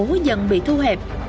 dân dân bị thu hẹp